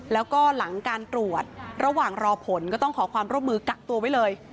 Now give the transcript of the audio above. แล้วก็หลังการตรวจระหว่างรอผลก็ต้องขอความร่วมมือกักตัวไว้เลย